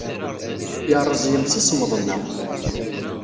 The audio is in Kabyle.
Yerreẓ yemsismeḍ-nneɣ.